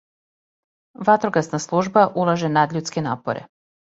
Ватрогасна служба улаже надљудске напоре.